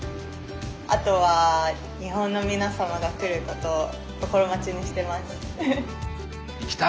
あとは日本の皆様が来ることを心待ちにしてます。